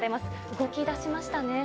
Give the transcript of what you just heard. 動きだしましたね。